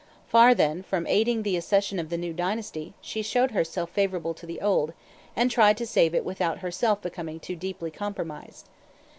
Far, then, from aiding the accession of the new dynasty, she showed herself favorable to the old, and tried to save it without herself becoming too deeply compromised.